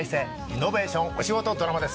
リノベーションお仕事ドラマです。